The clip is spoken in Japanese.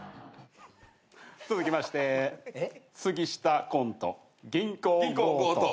続きまして杉下コント銀行強盗。